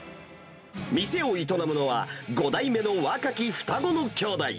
店を営むのは、５代目の若き双子の兄弟。